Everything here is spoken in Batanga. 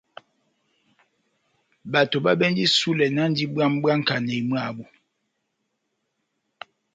Bato babɛndi isulɛ náhndi bwamu bwá nkanéi mwabu.